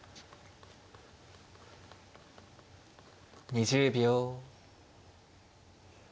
２０秒。